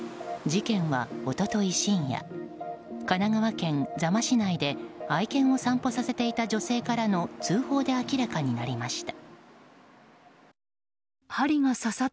事件は一昨日深夜神奈川県座間市内で愛犬を散歩させていた女性からの通報で明らかになりました。